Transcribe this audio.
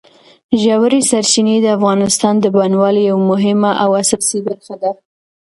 ژورې سرچینې د افغانستان د بڼوالۍ یوه مهمه او اساسي برخه ده.